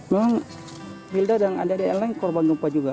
bang hilda dan ada yang lain korban gempa juga